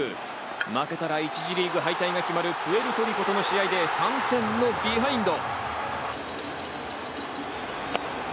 負けたら１次リーグ敗退が決まるプエルトリコとの試合で、３点のビハインド。